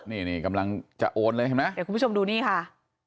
นี่กำลังจะโอนเลยเห็นไหมเดี๋ยวคุณผู้ชมดูนี่ค่ะ